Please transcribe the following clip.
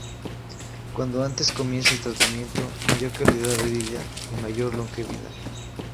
Cuando antes comienza el tratamiento, mayor calidad de vida y mayor longevidad.